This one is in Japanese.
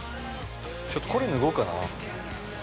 ◆ちょっとこれ、脱ごうかな。